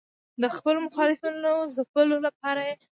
د خپلو مخالفینو ځپلو لپاره یې.